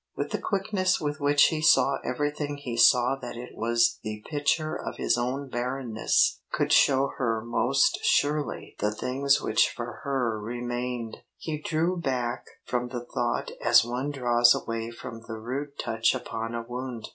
With the quickness with which he saw everything he saw that it was the picture of his own barrenness could show her most surely the things which for her remained. He drew back from the thought as one draws away from the rude touch upon a wound.